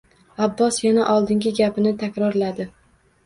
Abbos yana oldingi gapini takrorladi